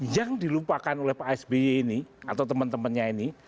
yang dilupakan oleh pak sby ini atau teman temannya ini